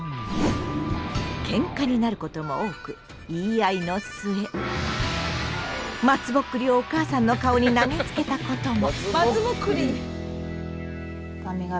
ケンカになることも多く言い合いの末まつぼっくりをお母さんの顔に投げつけたことも！